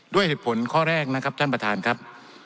ด้วยเหตุผลข้อแรกนะครับท่านประธานครับ